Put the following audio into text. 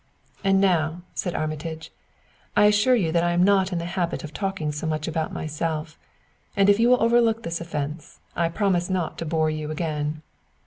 "And now," said Armitage, "I assure you that I am not in the habit of talking so much about myself and if you will overlook this offense I promise not to bore you again."